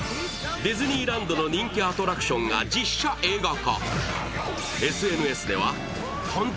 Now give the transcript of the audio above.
ディズニーランドの人気アトラクションが実写映画化。